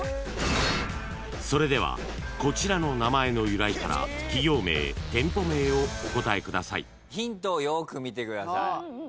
［それではこちらの名前の由来から企業名店舗名をお答えください］ヒントをよく見てください。